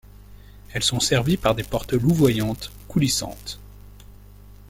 Elles sont servies par des portes louvoyantes coulissantes.